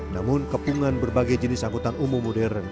namun kepungan berbagai jenis angkutan umum modern